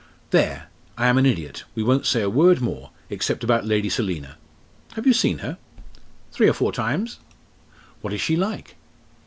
"There I am an idiot! We won't say a word more except about Lady Selina. Have you seen her?" "Three or four times." "What is she like?"